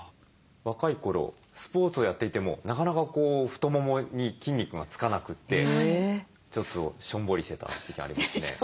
若い頃スポーツをやっていてもなかなか太ももに筋肉が付かなくてちょっとしょんぼりしてた時期ありますね。